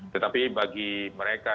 tetapi bagi mereka